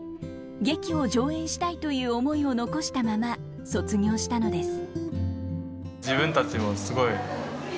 劇を上演したいという思いを残したまま卒業したのです。